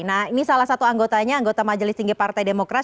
nah ini salah satu anggotanya anggota majelis tinggi partai demokrat